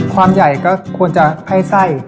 ความใหญ่ก็ควรจะให้ไส้